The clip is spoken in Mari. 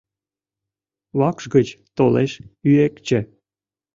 Вакш гыч толеш Ӱэкче.